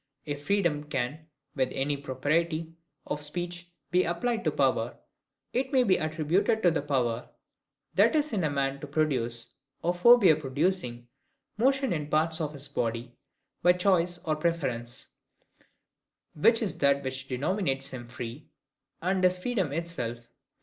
If freedom can with any propriety of speech be applied to power, it may be attributed to the power that is in a man to produce, or forbear producing, motion in parts of his body, by choice or preference; which is that which denominates him free, and is freedom itself.